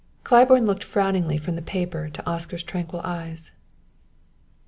Claiborne looked frowningly from the paper to Oscar's tranquil eyes.